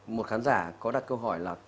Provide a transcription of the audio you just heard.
một khán giả có đặt câu hỏi là